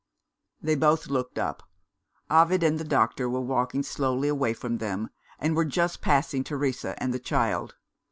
They both looked up. Ovid and the doctor were walking slowly away from them, and were just passing Teresa and the child.